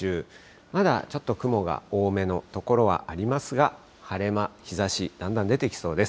まだちょっと雲が多めの所はありますが、晴れ間、日ざし、だんだん出てきそうです。